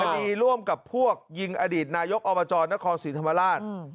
คดีร่วมกับพวกยิงอดีตนายกอบจนครศรีธรรมราช